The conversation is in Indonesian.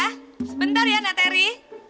sebentar ya nak teri